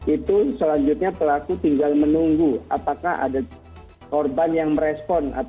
itu selanjutnya pelaku tinggal menunggu apakah ada korban yang merespon